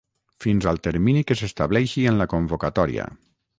Fins al termini que s'estableixi en la convocatòria.